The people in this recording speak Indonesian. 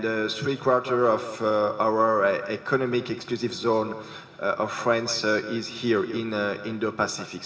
dan tiga empat juta zona ekonomi eksklusif perancis di indo pasifik